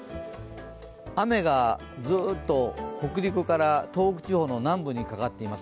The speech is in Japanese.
雨がずっと北陸から東北地方の南部にかかってます。